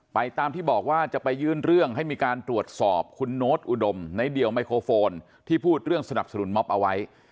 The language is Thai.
ตามที่บอกว่าจะไปยื่นเรื่องให้มีการตรวจสอบคุณโน๊ตอุดมในเดี่ยวไมโครโฟนที่พูดเรื่องสนับสนุนม็อบเอาไว้